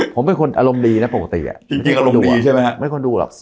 ผมเป็นคนอารมณ์ดีนะปกติจริงอารมณ์ดีใช่ไหมครับ